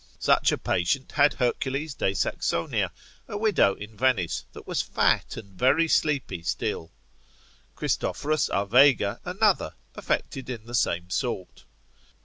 Such a patient had Hercules de Saxonia, a widow in Venice, that was fat and very sleepy still; Christophorus a Vega another affected in the same sort.